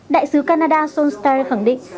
đại sứ canada sean steyer khẳng định